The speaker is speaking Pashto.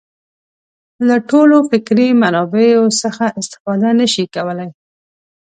له ټولو فکري منابعو څخه استفاده نه شي کولای.